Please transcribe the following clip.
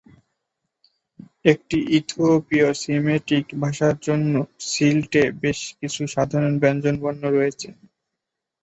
একটি ইথিওপীয় সেমেটিক ভাষার জন্য সিল্ট-এ বেশ কিছু সাধারণ ব্যঞ্জনবর্ণ রয়েছে।